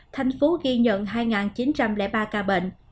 thành phố ghi nhận hai chín trăm linh ba ca bệnh